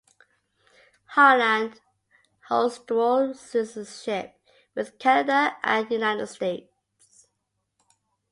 Harland holds dual citizenship with Canada and the United States.